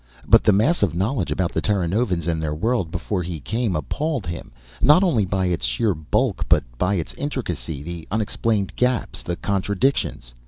But the mass of knowledge about the Terranovans and their world before he came appalled him not only by its sheer bulk but by its intricacy, the unexplained gaps, the contradictions.